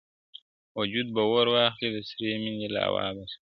وجود به اور واخلي د سرې ميني لاوا به سم.